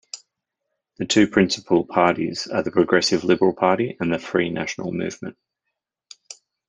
The two principal parties are the Progressive Liberal Party and the Free National Movement.